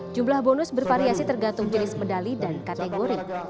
jumlah bonus bervariasi tergantung jenis medali dan kategori